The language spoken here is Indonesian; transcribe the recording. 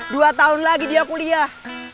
dua tahun lagi dia kuliah